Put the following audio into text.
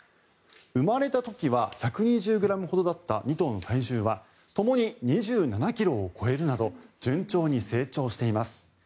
生まれた時は１２０ｇほどだった２頭の体重はともに２７ｋｇを超えるなど順調に成長しています。